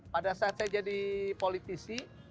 pada saat saya jadi politisi